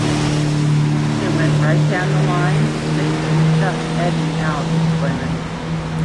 It went right down to the line with Masson just edging out Flameng.